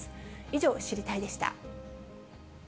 以上、知りたいッ！でした。